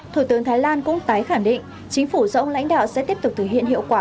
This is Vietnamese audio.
thủ tướng thái lan cũng tái khẳng định chính phủ do ông lãnh đạo sẽ tiếp tục thực hiện hiệu quả